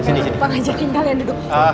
pak ngajakin kalian duduk